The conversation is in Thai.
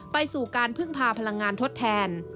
ไปสู่การพึ่งพาพลังงานทดแทน